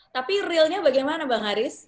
tapi realnya bagaimana bang haris